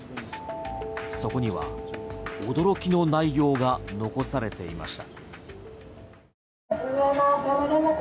そこには驚きの内容が残されていました。